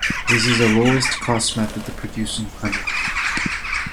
This is the lowest cost method of producing honey.